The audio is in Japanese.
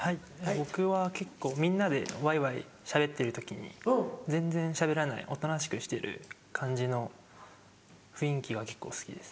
僕は結構みんなでわいわいしゃべってる時に全然しゃべらないおとなしくしてる感じの雰囲気が結構好きです。